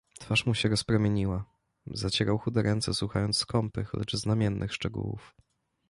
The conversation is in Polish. "Twarz mu się rozpromieniła; zacierał chude ręce, słuchając skąpych lecz znamiennych szczegółów."